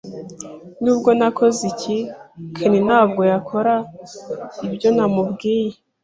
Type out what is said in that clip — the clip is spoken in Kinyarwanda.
Nubwo nakoze iki, Ken ntabwo yakora ibyo namubwiye.